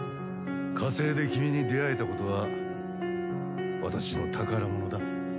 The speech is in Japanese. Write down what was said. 火星で君に出会えたことは私の宝物だ。